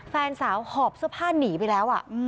แฟนสาวหอบเสื้อผ้าหนีไปแล้ว